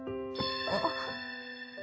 あっ。